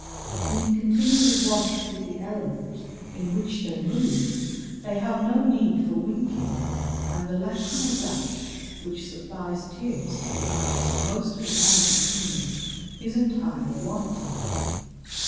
Being continually washed with the element in which they move, they have no need for winking and the lachrymal duct which supplies tears to the eyes of most of the animal kingdom is entirely wanting.